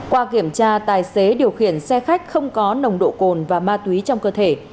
qua kiểm tra tài xế điều khiển xe khách không có nồng độ cồn và ma túy trong cơ thể